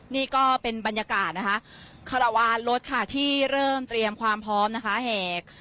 นี่ก็เป็นบรรยากาศนะคะคารวาลรถค่ะที่เริ่มเตรียมความพร้อมนะคะแหก